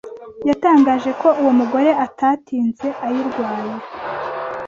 yatangaje ko uwo mugore atatinze ayirwaye